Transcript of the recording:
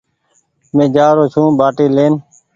مين جآرو ڇون ٻآٽي لين ۔